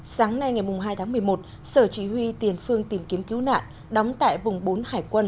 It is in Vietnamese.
sáng nay ngày hai tháng một mươi một sở chỉ huy tiền phương tìm kiếm cứu nạn đóng tại vùng bốn hải quân